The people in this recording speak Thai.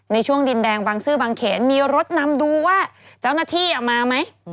ในช่วงดินแดงบางซื่อบางเขนมีรถนำดูว่าเจ้าหน้าที่มาไหม